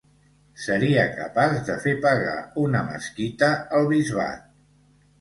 Seria capaç de fer pagar una mesquita al bisbat.